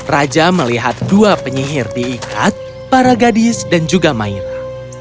raja melihat dua penyihir diikat para gadis dan juga maira